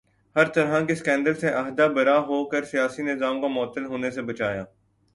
ہر طرح کے سکینڈل سے عہدہ برا ہو کر سیاسی نظام کو معطل ہونے سے بچایا